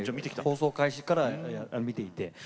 放送開始から見ていて。